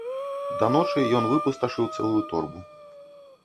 Да ночы, ён выпусташыў цэлую торбу.